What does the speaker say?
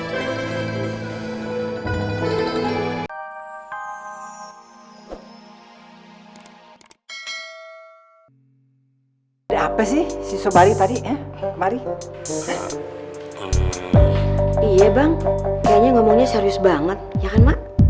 hai ada apa sih si sobari tadi ya mari iya bang kayaknya ngomongnya serius banget ya kan